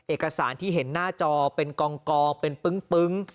เอกสารที่เห็นหน้าจอเป็นกองเป็นปึ้ง